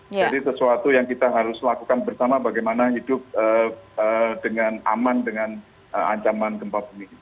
jadi sesuatu yang kita harus lakukan bersama bagaimana hidup dengan aman dengan ancaman gempa bumi